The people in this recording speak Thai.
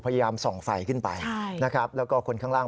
พยายามส่องไฟขึ้นไปนะครับแล้วก็คนข้างล่าง